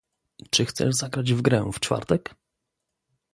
Czy chcesz zagrać w grę w czwartek?